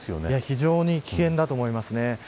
非常に危険だと思いますね。